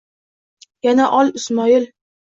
Yana ol, Ismoil